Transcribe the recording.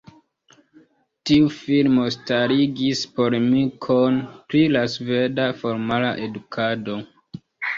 Tiu filmo starigis polemikon pri la sveda formala edukado.